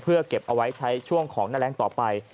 เพื่อเก็บเอาไว้ใช้ช่วงของหน้าแรงต่อไป